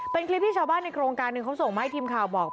เป็นคลิปที่ชาวบ้านในโครงการหนึ่งเขาส่งมาให้ทีมข่าวบอก